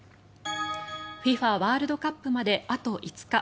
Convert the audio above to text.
ワールドカップまであと５日。